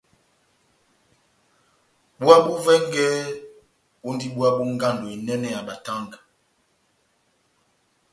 Búwa bó vɛngɛ bondi búwa bó ngando enɛnɛ ya batanga.